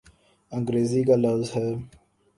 انگریزی کا لفظ ہے۔